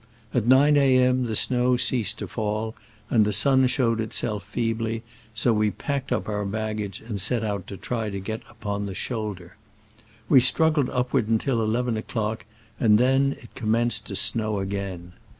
At 9 A. m. the snow ceased to fall, and the sun showed itself feebly, so we packed up our bag gage and set out to try to get upon "the shoulder." We struggled upward until eleven o'clock, and then it commenced to snow again.